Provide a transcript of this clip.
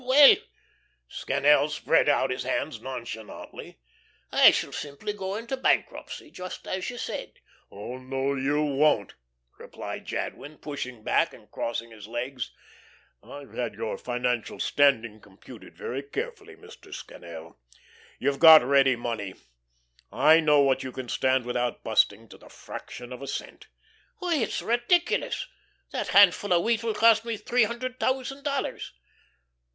Oh well" Scannel spread out his hands nonchalantly "I shall simply go into bankruptcy just as you said." "Oh, no, you won't," replied Jadwin, pushing back and crossing his legs. "I've had your financial standing computed very carefully, Mr. Scannel. You've got the ready money. I know what you can stand without busting, to the fraction of a cent." "Why, it's ridiculous. That handful of wheat will cost me three hundred thousand dollars."